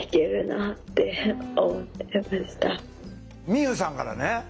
みゆうさんからね